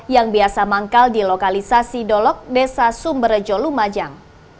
yang biasa manggal di lokalisasi dolok desa sumberjolumajang